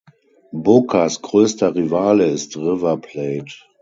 Bocas größter Rivale ist River Plate.